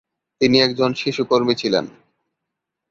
তিনি একজন শিশু কর্মী ছিলেন।